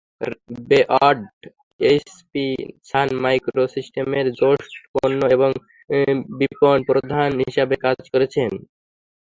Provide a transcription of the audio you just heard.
Baird HP, Sun মাইক্রোসিস্টেমের জ্যেষ্ঠ পণ্য এবং বিপণন প্রধান হিসেবে কাজ করেছেন।